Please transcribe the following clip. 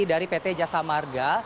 dari pt jasa marga